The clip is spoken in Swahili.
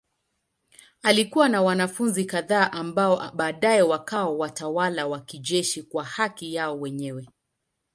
Alikuwa na wanafunzi kadhaa ambao baadaye wakawa watawala wa kijeshi kwa haki yao wenyewe.